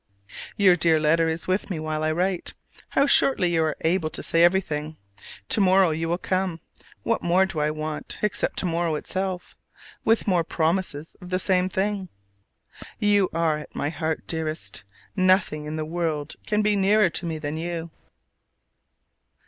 Your dear letter is with me while I write: how shortly you are able to say everything! To morrow you will come. What more do I want except to morrow itself, with more promises of the same thing? You are at my heart, dearest: nothing in the world can be nearer to me than you!